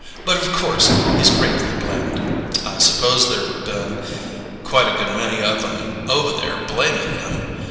But of course he's greatly blamed." "I suppose there've been quite a good many of 'em over there blaming him?"